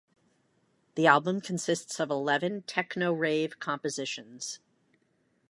The album consists of eleven techno-rave compositions.